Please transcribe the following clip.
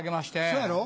そうやろ？